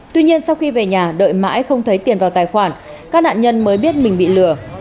tuy nhiên sau khi về nhà đợi mãi không thấy tiền vào tài khoản các nạn nhân mới biết mình bị lừa